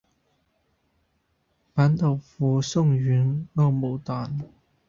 板豆腐鬆軟歐姆蛋